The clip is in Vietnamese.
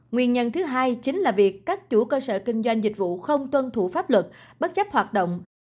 nguyên nhân thứ hai chính là việc các chủ cơ sở kinh doanh dịch vụ không tuân thủ pháp luật bất chấp hoạt động